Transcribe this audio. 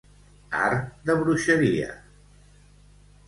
Art de bruixeria.